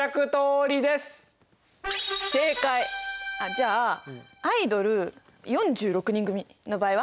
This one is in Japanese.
じゃあアイドル４６人組の場合は？